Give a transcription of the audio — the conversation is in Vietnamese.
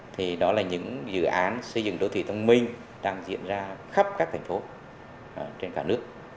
thì đó là những dự án xây dựng đô thị thông minh đang diễn ra khắp các thành phố trên cả nước